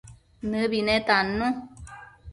Nëbi netannu